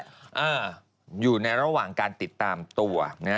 อยู่ในระหว่างการติดตามตัวนะ